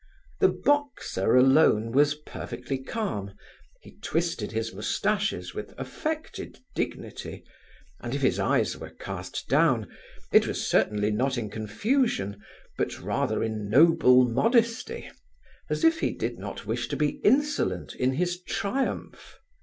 The boxer alone was perfectly calm; he twisted his moustaches with affected dignity, and if his eyes were cast down it was certainly not in confusion, but rather in noble modesty, as if he did not wish to be insolent in his triumph.